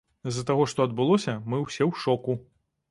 З-за таго, што адбылося, мы ўсе ў шоку.